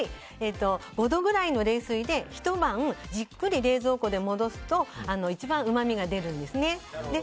５度くらいの冷水でひと晩、じっくり冷蔵庫で戻すと一番うまみが出るんですね。